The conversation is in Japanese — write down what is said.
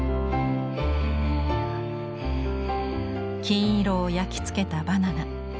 金色を焼き付けたバナナ。